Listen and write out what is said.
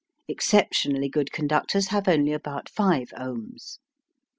Exceptionally good conductors have only about 5 ohms.